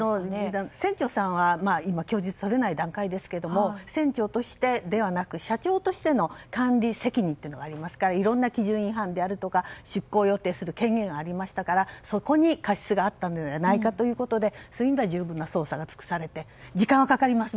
船長さんは供述を取れない段階ですけれども船長としてではなく社長としての管理責任がありますからいろんな基準違反であるとか出航予定の権限がありましたからそこに過失があったのではないかということで、それには十分な捜査が尽くされて時間がかかります。